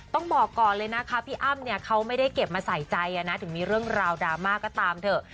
ต้องบอกก่อนเลยนะคะพี่อ้ำเนี่ยเขาไม่ได้เก็บมาใส่ใจนะถึงมีเรื่องราวดราม่าก็ตามเถอะ